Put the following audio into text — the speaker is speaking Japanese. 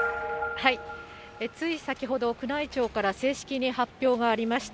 つい先ほど、宮内庁から正式に発表がありました。